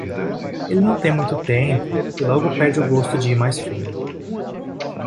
Ele não tem muito tempo e logo perde o gosto de ir mais fundo.